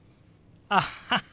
アッハハ！